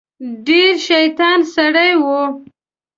ډیر شیطان سړی و.